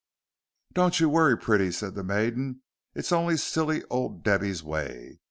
"Don't you worrit, pretty," said the maiden, "it's only silly old Debby's way.